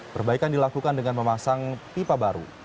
perbaikan dilakukan dengan memasang pipa baru